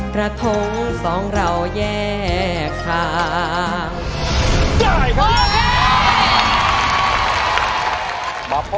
กระทงสองเราแยกทาง